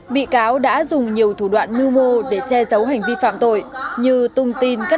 bị cáo đã dùng nhiều thủ đoạn mưu mô để che giấu hành vi phạm tội như tung tin các